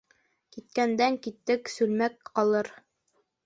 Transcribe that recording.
Киткәндән китек сүлмәк ҡалыр.